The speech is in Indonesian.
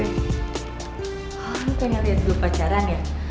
ini kayaknya liat dulu pacaran ya